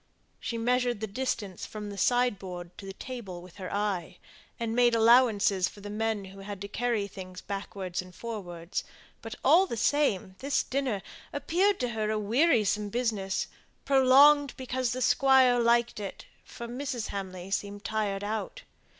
She measured the distance from the sideboard to the table with her eye, and made allowances for the men who had to carry things backwards and forwards; but, all the same, this dinner appeared to her a wearisome business, prolonged because the Squire liked it, for Mrs. Hamley seemed tired out.